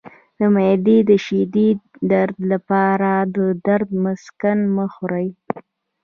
د معدې د شدید درد لپاره د درد مسکن مه خورئ